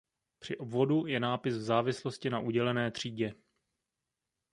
Při obvodu je nápis v závislosti na udělené třídě.